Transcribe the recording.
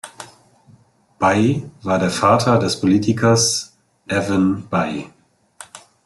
Bayh war der Vater des Politikers Evan Bayh.